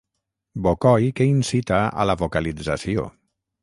Bocoi que incita a la vocalització.